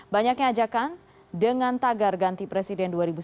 banyaknya ajakan dengan tagar ganti presiden dua ribu sembilan belas